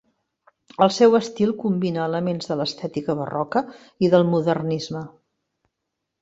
El seu estil combina elements de l'estètica barroca i del modernisme.